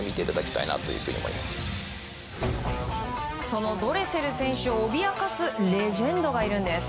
そのドレセル選手を脅かすレジェンドがいるんです。